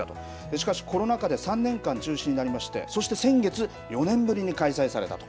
しかしコロナ禍で３年間中止になりまして、そして先月、４年ぶりに開催されたと。